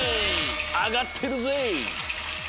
あがってるぜい！